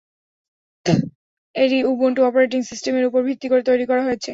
এটি Ubuntu operating সিস্টেমের উপর ভিত্তি করে তৈরী করা হয়েছে।